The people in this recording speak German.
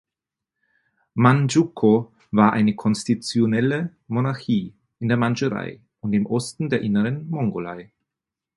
Mandschukuo war eine konstitutionelle Monarchie in der Mandschurei und im Osten der Inneren Mongolei.